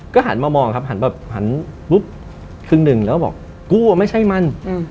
หันมามองครับหันแบบหันปุ๊บครึ่งหนึ่งแล้วก็บอกกูอ่ะไม่ใช่มัน